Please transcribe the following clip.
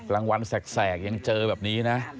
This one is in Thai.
วันแสกยังเจอแบบนี้นะ